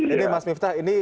ini mas miftah ini